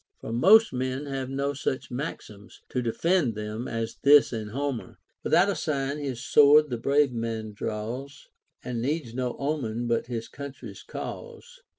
For most men have no such maxims to defend them as this in Homer, — Without a sign his sword the brave man draws, And needs no omen but his country's cause.